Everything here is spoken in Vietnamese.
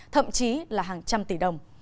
thậm chí là hàng trăm tỷ đồng